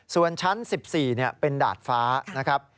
ส่วนชั้น๑๔เป็นดาดฟ้านะครับ